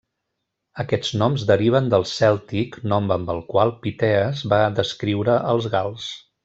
Aquests noms deriven del Cèltic nom amb el qual Pitees va descriure els gals.